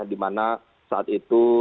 dimana saat itu